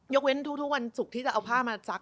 เว้นทุกวันศุกร์ที่จะเอาผ้ามาซัก